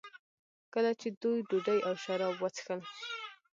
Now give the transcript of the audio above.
کله چې دوی ډوډۍ او شراب وڅښل.